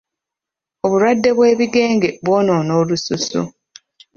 Obulwadde bw'ebigenge bwonoona olususu.